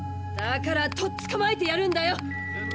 だからとっつかまえてやるんだよ！